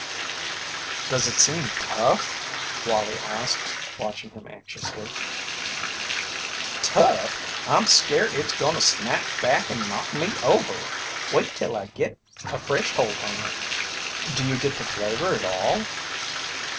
"Does it seem tough?" Wallie asked, watching him anxiously. "Tough! I'm scairt it's goin' to snap back and knock me over. Wait till I git a fresh holt on it." "Do you get the flavour at all?"